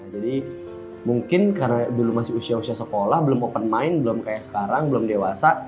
jadi mungkin karena dulu masih usia usia sekolah belum open mind belum kayak sekarang belum dewasa